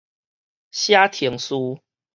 寫程序